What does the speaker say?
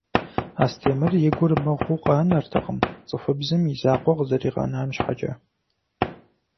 Астемыр и гур мыгъуу къанэртэкъым, цӀыхубзым и закъуэ къызэригъэнам щхьэкӀэ.